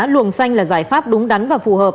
luồng xanh là giải pháp đúng đắn và phù hợp